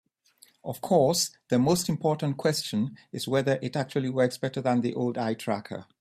Of course, the most important question is whether it actually works better than the old eye tracker.